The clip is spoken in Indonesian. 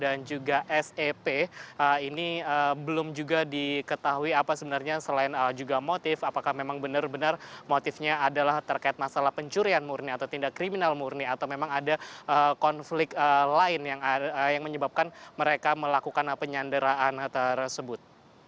dan juga sep ini belum juga diketahui apa sebenarnya selain juga motif apakah memang benar benar motifnya adalah terkait masalah pencurian murni atau tindak kriminal murni atau memang ada konflik lain yang menyebabkan mereka melakukan penyanderaan tersebut